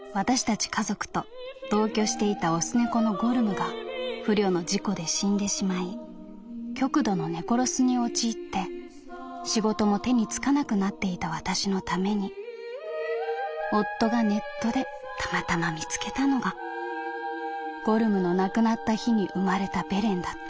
家族と同居していた雄猫のゴルムが不慮の事故で死んでしまい極度の猫ロスに陥って仕事も手につかなくなっていたわたしのために夫がネットでたまたま見つけたのがゴルムの亡くなった日に生まれたベレンだった」。